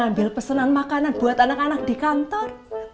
ambil pesanan makanan buat anak anak di kantor